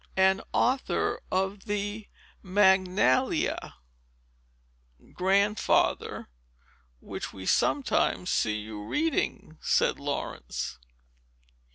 "And author of the Magnalia, Grandfather, which we sometimes see you reading," said Laurence.